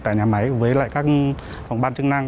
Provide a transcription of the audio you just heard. tại nhà máy với lại các phòng ban chức năng